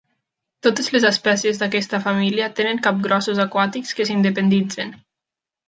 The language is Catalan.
Totes les espècies d'aquesta família tenen capgrossos aquàtics que s'independitzen.